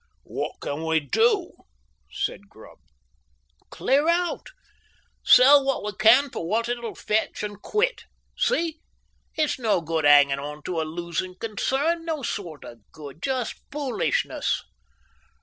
"What can we do?" said Grubb. "Clear out. Sell what we can for what it will fetch, and quit. See? It's no good 'anging on to a losing concern. No sort of good. Jest foolishness."